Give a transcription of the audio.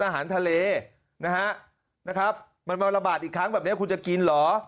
อาหารทะเลนะฮะนะครับมันมาระบาดอีกครั้งแบบนี้คุณจะกินเหรอ